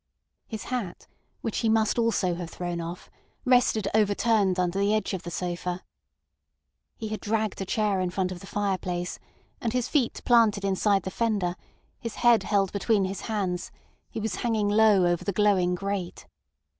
His hat, which he must also have thrown off, rested overturned under the edge of the sofa. He had dragged a chair in front of the fireplace, and his feet planted inside the fender, his head held between his hands, he was hanging low over the glowing grate.